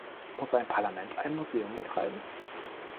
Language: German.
Muss ein Parlament ein Museum betreiben?